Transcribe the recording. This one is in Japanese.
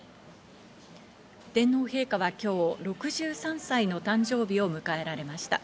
天皇陛下は今日６３歳の誕生日を迎えられました。